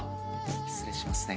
失礼しますね。